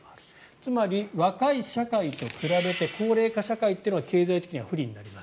つまり若い社会と比べて高齢化社会というのは経済的には不利になります。